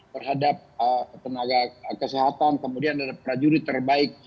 terhadap tenaga kesehatan kemudian ada prajurit terbaik